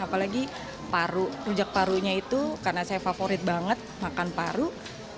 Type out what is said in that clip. apalagi paru rujak parunya itu karena saya favorit banget makan paru ya oke lah